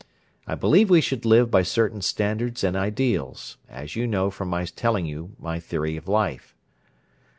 I believe we should live by certain standards and ideals, as you know from my telling you my theory of life.